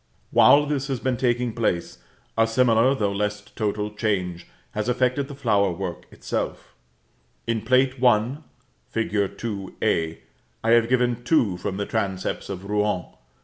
While this has been taking place, a similar, though less total, change has affected the flowerwork itself. In Plate I. fig. 2 (a), I have given two from the transepts of Rouen.